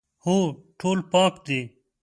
هو، ټول پاک دي